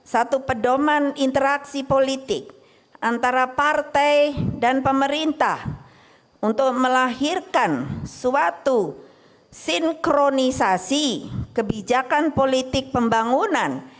satu pedoman interaksi politik antara partai dan pemerintah untuk melahirkan suatu sinkronisasi kebijakan politik pembangunan